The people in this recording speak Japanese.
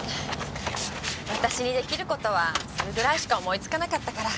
私に出来る事はそれぐらいしか思いつかなかったから。